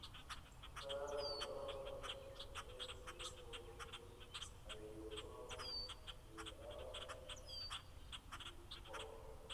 Esta abrumadora fuerza se encontraban distribuida por distintos aeródromos de Álava y Guipúzcoa.